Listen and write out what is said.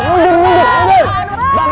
bang tar dulu bang